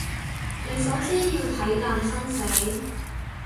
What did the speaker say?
你首先要睇淡生死